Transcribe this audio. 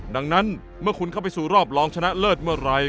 ดังนั้นเมื่อคุณเข้าไปสู่รอบรองชนะเลิศเมื่อไหร่